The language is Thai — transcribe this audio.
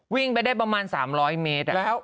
วิ่งไปได้ประมาณ๓๐๐เมตร